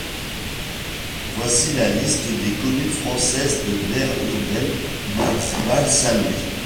Voici la liste des communes françaises de l'aire urbaine de Bâle-Saint-Louis.